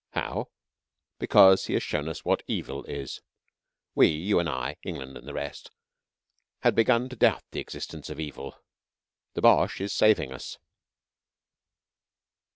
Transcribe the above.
"How?" "Because he has shown us what Evil is. We you and I, England and the rest had begun to doubt the existence of Evil. The Boche is saving us."